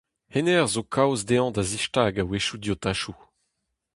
Hennezh zo kaoz dezhañ da zistag' a-wechoù diotajoù !